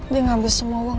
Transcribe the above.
janganlah kamu kapal dia